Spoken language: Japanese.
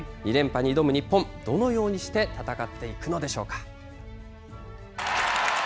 ２連覇に挑む日本、どのようにして戦っていくのでしょうか。